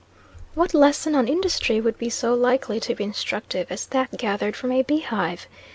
What lesson on industry would be so likely to be instructive as that gathered from a bee hive?